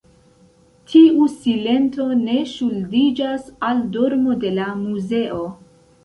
Tiu silento ne ŝuldiĝas al dormo de la muzo.